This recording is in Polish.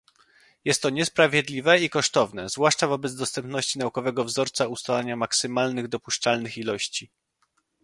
Jest to niesprawiedliwe i kosztowne, zwłaszcza wobec dostępności naukowego wzorca ustalania maksymalnych dopuszczalnych ilości